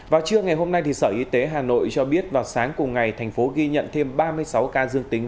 vào trưa ngày hôm nay sở y tế hà nội cho biết vào sáng cùng ngày thành phố ghi nhận thêm ba mươi sáu ca dương tính